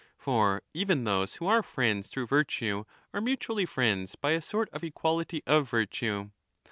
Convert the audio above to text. For even those who are friends through virtue are mutually friends by a sort of equality of virtue.